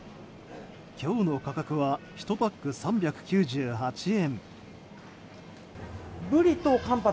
今日の価格は１パック３９８円。